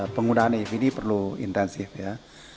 penggunaan evd perlu intensif ya